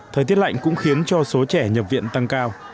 thời tiết lạnh cũng khiến cho số trẻ nhập viện tăng cao